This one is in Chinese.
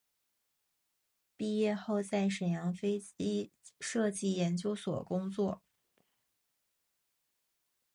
毕业后在沈阳飞机设计研究所工作。